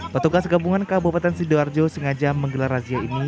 petugas gabungan kabupaten sidoarjo sengaja menggelar razia ini